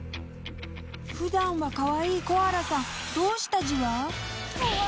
普段はかわいいコアラさんどうしたじわ？